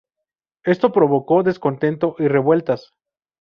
Esto provocó descontento y revueltas.